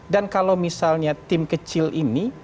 dan kalau misalnya tim kecil ini